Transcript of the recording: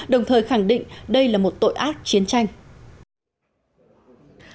đồng thời khẳng định đây là một tội ác chiến tranh